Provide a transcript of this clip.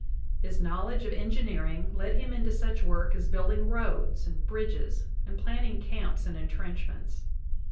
His knowledge of engineering led him into such work as building roads and bridges and planning camps and entrenchments.